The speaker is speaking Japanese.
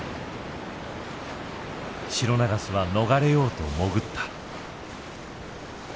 シロナガスは逃れようと潜った。